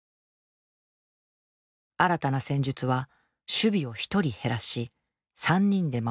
新たな戦術は守備を１人減らし３人で守る３バック。